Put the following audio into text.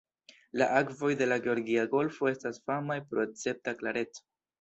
La akvoj de la Georgia Golfo estas famaj pro escepta klareco.